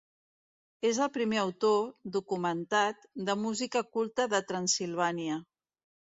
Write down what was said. És el primer autor, documentat, de música culta de Transsilvània.